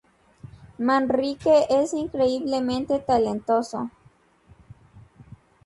Manrique es increíblemente talentoso".